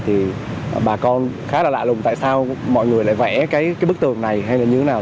thì bà con khá là lạ lùng tại sao mọi người lại vẽ cái bức tường này hay là như thế nào